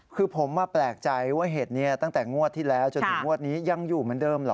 คือผมแปลกใจว่าเห็ดนี้ตั้งแต่งวดที่แล้วจนถึงงวดนี้ยังอยู่เหมือนเดิมเหรอ